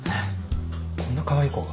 こんなかわいい子が？